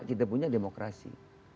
kita punya demokrasi